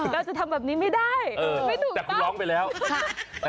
เราจะทำแบบนี้ไม่ได้ไม่ถูกปะ